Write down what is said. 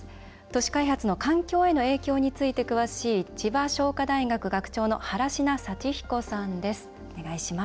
都市開発の環境への影響について詳しい千葉商科大学学長の原科幸彦さんです。